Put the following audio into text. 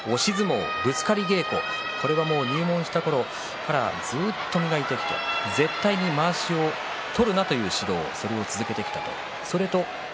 ぶつかり稽古、入門したころからずっと磨いてきて絶対にまわしを取るなという指導を続けてきたということです。